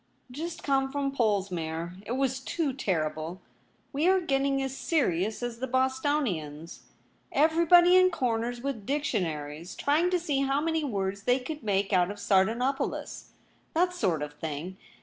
' Just come from Polesmere. It was too terrible. We are getting as serious as the Bostonians. Everybody in corners with dic tionaries, trying to see how many words they could make out of Sardanapalus — that sort of thing.